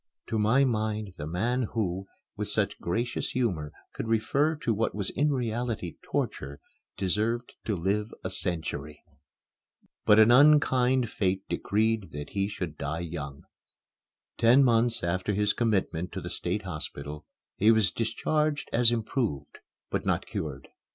To my mind, the man who, with such gracious humor, could refer to what was in reality torture deserved to live a century. But an unkind fate decreed that he should die young. Ten months after his commitment to the State Hospital he was discharged as improved but not cured.